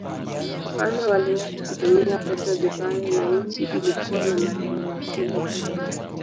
Wafalme waliwahi kutumia pesa vibaya na nchi ilikuwa na madeni makubwa.